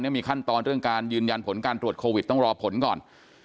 มีขั้นตอนเรื่องการยืนยันผลการตรวจโควิดต้องรอผลก่อน